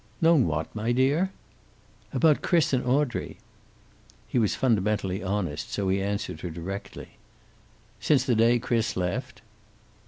"Known what, dear?" "About Chris and Audrey?" He was fundamentally honest, so he answered her directly. "Since the day Chris left."